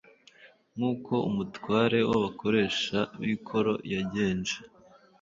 Nk'uko umutware w'abakoresha b'ikoro yagenje;